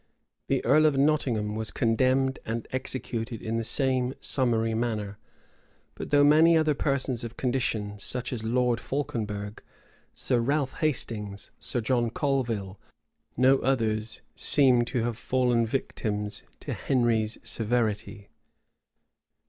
The earl of Nottingham was condemned and executed in the same summary manner: but though many other persons of condition, such as Lord Falconberg, Sir Ralph Hastings, Sir John Colville, were engaged in this rebellion, no others seem to have fallen victims to Henry's severity.